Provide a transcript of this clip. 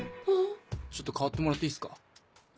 ちょっと代わってもらっていいっすか？